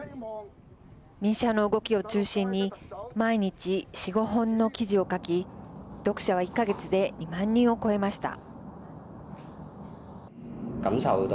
民主派の動きを中心に毎日４５本の記事を書き読者は１か月で２万人を超えました。